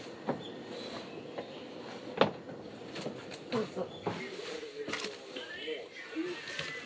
どうぞ。